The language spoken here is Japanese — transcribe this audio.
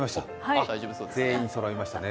全員そろいましたね。